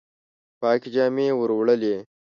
پاکي جامي وروړلي